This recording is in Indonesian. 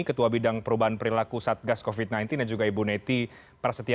ketua bidang perubahan perilaku satgas covid sembilan belas dan juga ibu neti prasetya